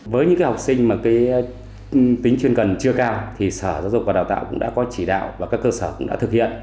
với những học sinh mà tính chuyên cần chưa cao thì sở giáo dục và đào tạo cũng đã có chỉ đạo và các cơ sở cũng đã thực hiện